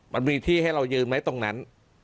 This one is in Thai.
มันมีที่ให้เรายืนไหมตรงนั้น